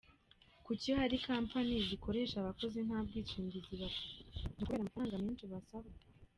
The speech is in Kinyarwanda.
Kuki hari Kampani zikoresha abakozi nta bwishingizi bafite, ni ukubera amafaranga menshi basabwa? .